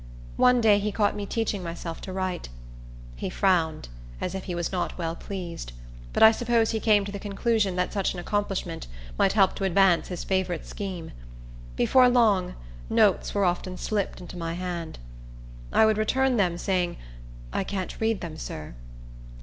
One day he caught me teaching myself to write. He frowned, as if he was not well pleased; but I suppose he came to the conclusion that such an accomplishment might help to advance his favorite scheme. Before long, notes were often slipped into my hand. I would return them, saying, "I can't read them, sir."